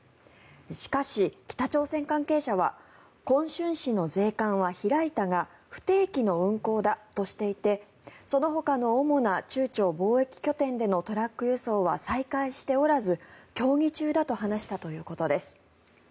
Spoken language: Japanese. しかし北朝鮮関係者は琿春市の税関は開いたが不定期の運行だとしていてそのほかの主な中朝貿易拠点でのトラック輸送は再開しておらず協議中だと話したということです。